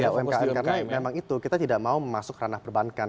ya umkm karena memang itu kita tidak mau masuk ranah perbankan